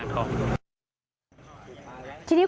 ทีนี้